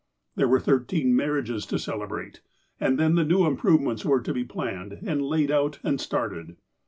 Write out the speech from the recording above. There were thirteen marriages to celebrate. And then the new imjDrovements were to be planned, and laid out and started.